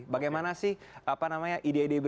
bagaimana sih apa namanya ide ide